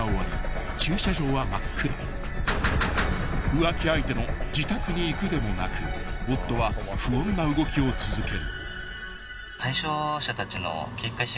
［浮気相手の自宅に行くでもなく夫は不穏な動きを続ける］